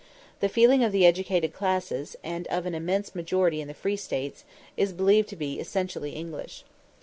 The feeling of the educated classes, and of an immense majority in the Free States, is believed to be essentially English.